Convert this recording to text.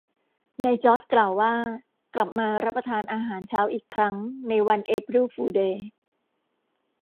นายจอร์จกล่าวว่ากลับมารับประทานอาหารเช้าอีกครั้งในวันเอพริลฟูลเดย์